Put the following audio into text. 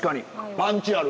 パンチある。